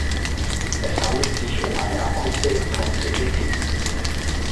Es handelt sich um eine akute Tonsillitis.